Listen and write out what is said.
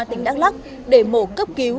tỉnh đắk lắc để mổ cấp cứu